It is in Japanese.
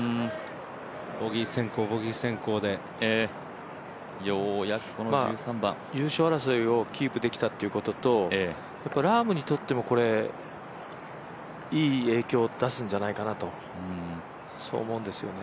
ボギー先行、ボギー先行でようやくこの１３番。優勝争いをキープできたということと、ラームにとってもこれ、いい影響出すんじゃないかなとそう思うんですね。